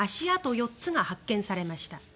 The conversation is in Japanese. ４つが発見されました。